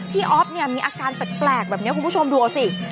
อ๊อฟเนี่ยมีอาการแปลกแบบนี้คุณผู้ชมดูสิ